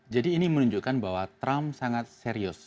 jadi ini menunjukkan bahwa trump sangat serius